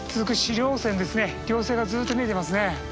稜線がずっと見えてますね。